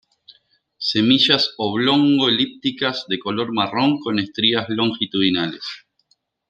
Semillas oblongo-elípticas, de color marrón con estrías longitudinales.